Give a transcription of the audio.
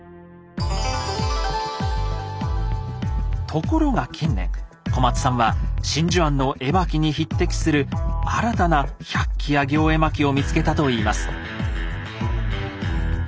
ところが近年小松さんは真珠庵の絵巻に匹敵する新たな「百鬼夜行絵巻」を見つけたと言います。